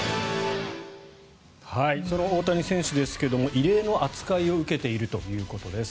その大谷選手ですが異例の扱いを受けているということです。